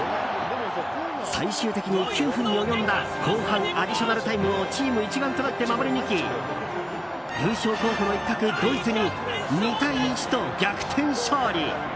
最終的に９分に及んだ後半アディショナルタイムをチーム一丸となって守り抜き優勝候補の一角ドイツに２対１と逆転勝利！